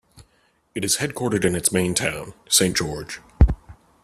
It is headquartered in its main town, Saint George.